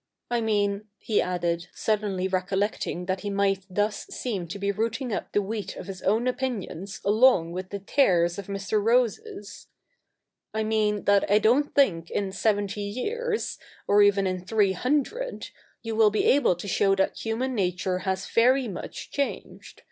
I mean,' he added, suddenly recollecting that he might thus seem to be rooting up the wheat of his own opinions along with the tares of Mr. Rose's, * I mean that I don't think in seventy years, or even in three hundred, you will be able to show that human nature has very much changed.